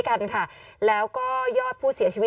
กล้องกว้างอย่างเดียว